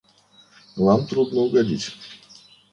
Вам трудно угодить.